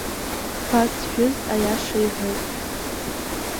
Хԥа зжәыз аиаша иҳәоит!